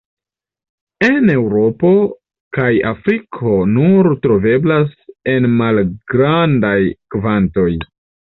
En Eŭropo kaj Afriko nur troveblas en malgrandaj kvantoj.